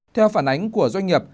theo phản ánh của doanh nghiệp